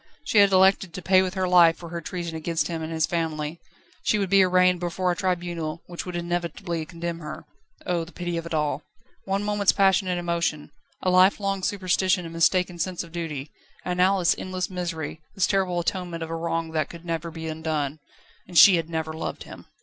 She had elected to pay with her life for her treason against him and his family. She would be arraigned before a tribunal which would inevitably condemn her. Oh! the pity of it all! One moment's passionate emotion, a lifelong superstition and mistaken sense of duty, and now this endless misery, this terrible atonement of a wrong that could never be undone. And she had never loved him!